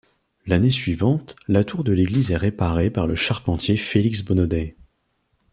L'année suivante, la tour de l'église est réparée par le charpentier Félix Bonnaudet.